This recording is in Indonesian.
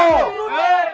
perang dulu men